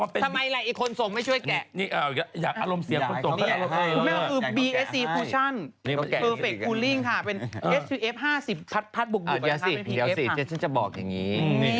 เดี๋ยวสิเดี๋ยวฉันจะบอกอย่างนี้